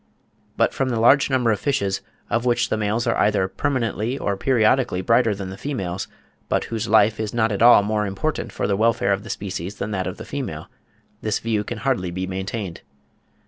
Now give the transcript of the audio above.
But from the large number of fishes, of which the males are either permanently or periodically brighter than the females, but whose life is not at all more important for the welfare of the species than that of the female, this view can hardly be maintained.